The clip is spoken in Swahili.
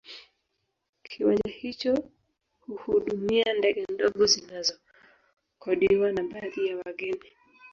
Kiwanja hicho huhudumia ndege ndogo zinazokodiwa na baadhi ya wageni